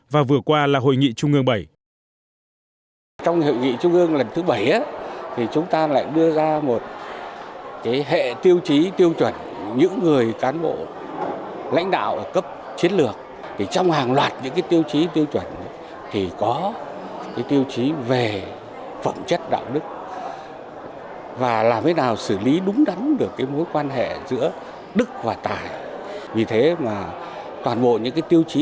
và vừa qua là hội nghị trung ương bảy